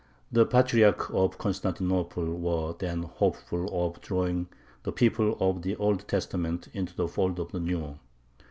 The Patriarchs of Constantinople were then hopeful of drawing the people of the Old Testament into the fold of the New.